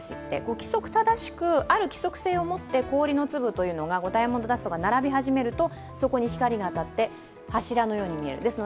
規則正しく、ある規則性を持って氷の粒、ダイヤモンドダストが並び始めると、そこに光りが当たって柱のように見える。